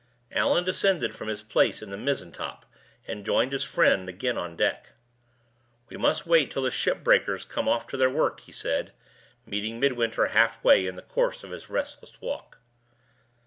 Allan descended from his place in the mizzen top, and joined his friend again on deck. "We must wait till the ship breakers come off to their work," he said, meeting Midwinter halfway in the course of his restless walk.